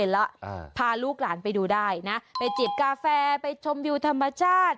แล้วพาลูกหลานไปดูได้นะไปจิบกาแฟไปชมวิวธรรมชาติ